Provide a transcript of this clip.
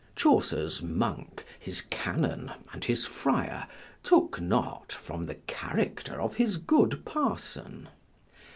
Chaucer's Monk, his Canon, and his Friar, took not from the character of his Good Parson.